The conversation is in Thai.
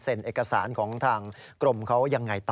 เอกสารของทางกรมเขายังไงต่อ